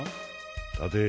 立て